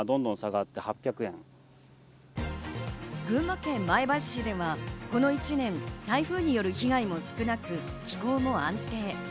群馬県前橋市ではこの１年、台風による被害も少なく、気候も安定。